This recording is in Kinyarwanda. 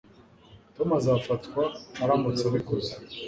Tom azafatwa aramutse abikoze